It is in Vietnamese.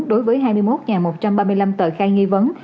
đối với hai mươi một một trăm ba mươi năm tờ khai nghi vấn